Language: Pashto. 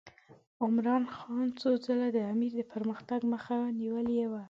عمرا خان څو ځله د امیر د پرمختګ مخه نیولې وه.